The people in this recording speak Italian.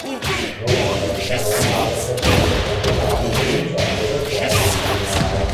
Nella modalità normale si affronta il campionato cominciando dai quarti di finale.